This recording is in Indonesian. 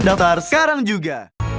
daftar sekarang juga